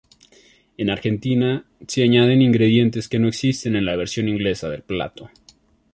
En Argentina se añaden ingredientes que no existen en la versión inglesa del plato.